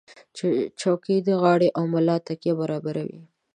چوکۍ د غاړې او ملا تکیه برابروي.